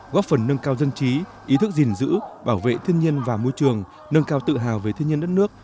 góp phần nâng cao dân trí ý thức gìn giữ bảo vệ thiên nhiên và môi trường nâng cao tự hào về thiên nhiên đất nước